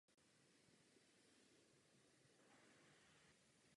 Proto bych chtěla poblahopřát zpravodajům těchto tří zpráv.